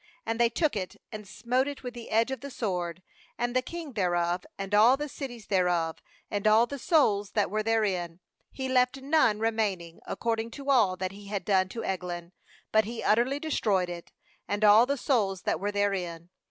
37And they took it, and smote it with the edge of the sword, and the king thereof, and all the cities thereof, and all the souls that were therein; he left none re maining, according to all that he had done to Eglon; but he utterly destroyed it, and all the souls that were therein.